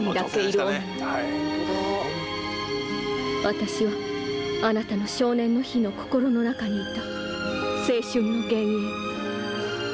私はあなたの少年の日の心の中にいた青春の幻影。